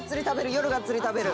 夜がっつり食べる。